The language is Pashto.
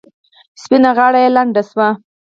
سپینه غاړه یې لنده شوه.